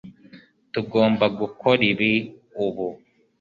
Tugomba gukora ibi ubu